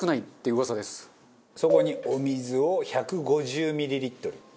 そこにお水を１５０ミリリットル。